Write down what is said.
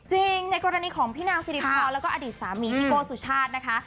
จริงในกรณีของพี่นางสิริพรแล้วก็อดีตสามีพี่โก้สุชาตินะคะ